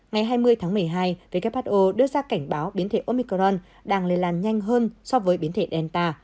ngày hai mươi tháng một mươi hai who đưa ra cảnh báo biến thể omicron đang lây lan nhanh hơn so với biến thể delta